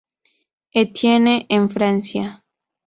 Etienne en Francia.